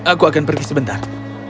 aku akan pergi sebentar